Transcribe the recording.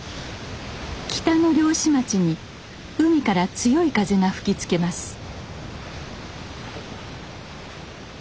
北の漁師町に海から強い風が吹きつけます。